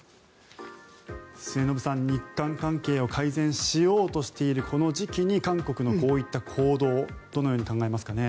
末延さん、日韓関係を改善しようとしているこの時期に韓国のこういった行動どのように考えますかね？